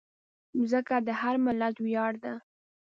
مځکه د هر ملت ویاړ ده.